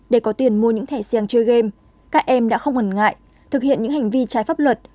để có tiền mua những thẻ sing chơi game các em đã không ngần ngại thực hiện những hành vi trái pháp luật